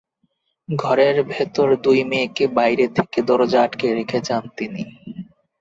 ঘরের ভেতর দুই মেয়েকে বাইরে থেকে দরজা আটকে রেখে যান তিনি।